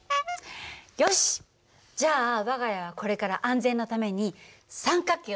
よしじゃあ我が家はこれから安全のために三角形を取り入れましょう。